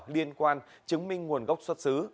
liên quan chứng minh nguồn gốc xuất xứ